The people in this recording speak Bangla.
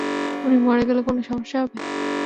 উনি মরে গেলে কোনো সমস্যা হবে?